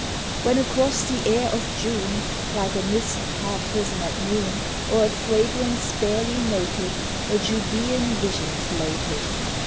'When, across the air of June, Like a mist half risen at noon, Or a fragrance barely noted, A Judæan Vision floated!